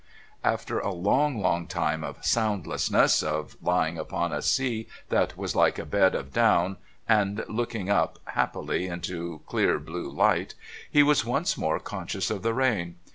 After a long, long time of soundlessness, of lying upon a sea that was like a bed of down, and looking up, happily into clear blue light, he was once more conscious of the rain.